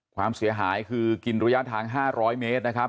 ความเสียหายคือกินระยะทาง๕๐๐เมตรนะครับ